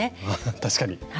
確かに。